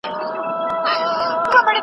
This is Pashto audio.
حضوري ټولګي د زده کوونکو تعامل پياوړی کوي.